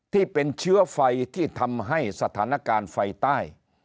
ที่เป็นเชื้อไฟที่ทำให้สถานการณ์ไฟใต้